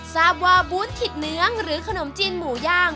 ทราบว่าบู๊ตถิดเนิ้งหรือขนมจริงหมูย่าง